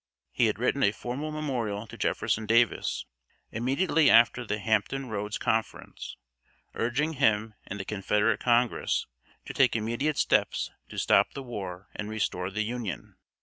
He had written a formal memorial to Jefferson Davis, immediately after the Hampton Roads conference, urging him and the Confederate Congress to take immediate steps to stop the war and restore the Union.